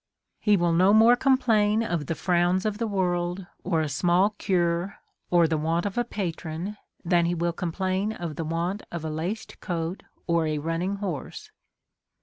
He will no 14 A SERIOUS CALL TO A more complain of the frowns of the worlds or a small j cure^ or the want of a patron^ than he will complain of the want of a laced coat or a running* horse.